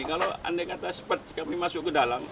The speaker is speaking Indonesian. kalau andai kata seperti kami masuk ke dalam